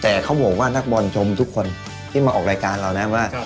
แต่เขาบอกว่านักบอลชมทุกคนที่มาออกรายการเรานะว่า